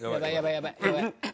やばい！